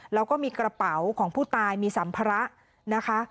แล้วก็มีกระเป๋าของผู้ตายมีสัมภาระนะคะ